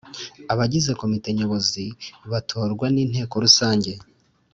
Abagize Komite Nyobozi batorwa n’Inteko Rusange